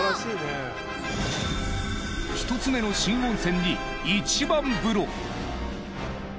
１つ目の新温泉にイチバン風呂。